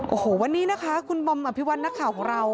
โอ้โหวันนี้นะคะคุณบอมอภิวัตินักข่าวของเรา